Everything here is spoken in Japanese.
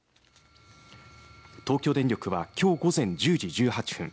東京電力はきょう午前１０時１８分